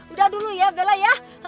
udah dulu ya bella ya